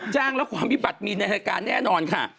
จ้างแล้วความวิบัติมีในรายการแน่นอนค่ะ